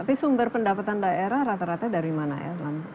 tapi sumber pendapatan daerah rata rata dari mana ya